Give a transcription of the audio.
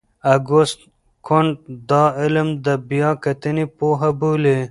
اګوست کُنت دا علم د بیا کتنې پوهه بولي.